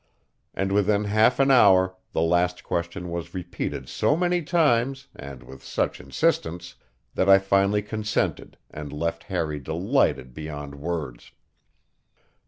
And within half an hour the last question was repeated so many times and with such insistence that I finally consented and left Harry delighted beyond words.